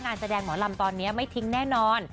งานแสดงหมอลำตอนนี้ไม่ทิ้งแน่นอน